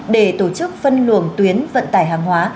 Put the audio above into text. để tổ chức phân luồng tuyến vận tải hàng hóa